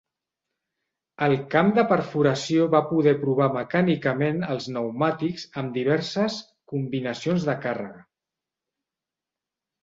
El camp de perforació va poder provar mecànicament els pneumàtics amb diverses combinacions de càrrega.